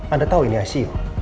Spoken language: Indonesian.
anda tau ini hasil